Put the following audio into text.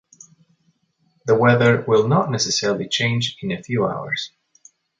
The weather will not necessarily change in a few hours.